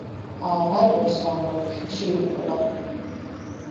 ბარბოსა ამავე ფილმში იღუპება.